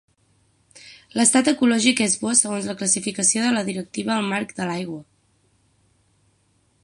L'estat ecològic és Bo segons la classificació de la Directiva Marc de l’Aigua.